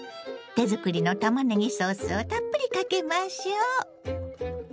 手作りのたまねぎソースをたっぷりかけましょ。